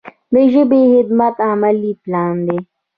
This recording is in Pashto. د ژبې خدمت عملي پلان دی.